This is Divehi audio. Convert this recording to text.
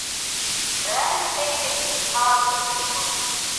ރައިވެރިބޭގެ ޖިހާދުގެ ފެތުން